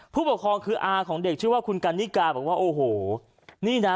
ผู้ปกครองคืออาของเด็กชื่อว่าคุณกันนิกาบอกว่าโอ้โหนี่นะ